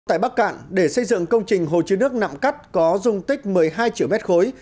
tại bắc cạn để xây dựng công trình hồ chứa nước nặng cắt có dung tích một mươi hai triệu mét khối